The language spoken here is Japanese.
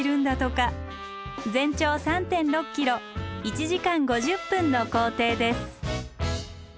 全長３．６ｋｍ１時間５０分の行程です。